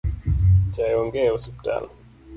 Chae onge e osiptal